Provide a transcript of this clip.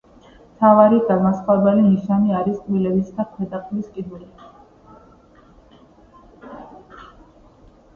მთავარი განმასხვავებელი ნიშანი არის კბილები და ქვედა ყბის კიდური.